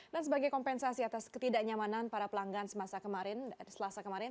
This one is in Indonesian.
dan sebagai kompensasi atas ketidaknyamanan para pelanggan selasa kemarin